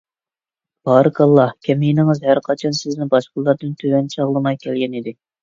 بارىكاللاھ! كەمىنىڭىز ھەرقاچان سىزنى باشقىلاردىن تۆۋەن چاغلىماي كەلگەنىدى.